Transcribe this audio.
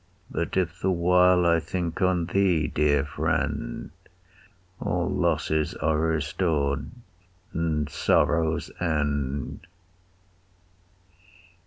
But if the while I think on thee, dear friend, All losses are restor'd and sorrows end.